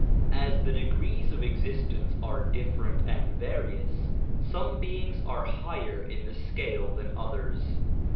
As the degrees of existence are different and various, some beings are higher in the scale than others.